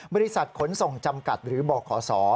บริษัทขนส่งจำกัดหรือบข